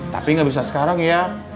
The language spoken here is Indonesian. tapi nggak bisa sekarang ya